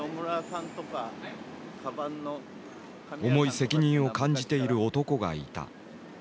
重い責任を感じている男がいた。